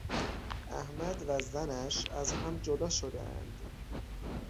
احمد و زنش از هم جدا شدهاند.